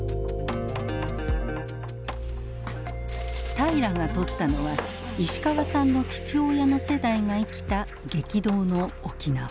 平良が撮ったのは石川さんの父親の世代が生きた激動の沖縄。